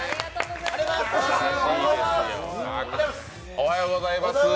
おはようございます。